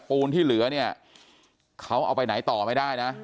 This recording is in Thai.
ปูนที่เหลือเนี่ยเขาเอาไปไหนต่อไม่ได้นะ